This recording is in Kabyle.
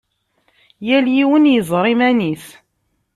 Yal yiwen yeẓra iman-is!